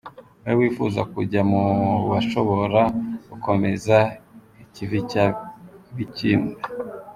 Wowe wifuza kujya mu bashobora gukomeza ikivi cya Bikindi,